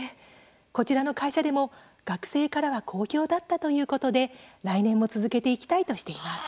こちらの会社でも、学生からは好評だったということで、来年も続けていきたいとしています。